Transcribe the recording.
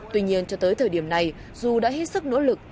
tuy nhiên cho tới thời điểm này dù đã hết sức nỗ lực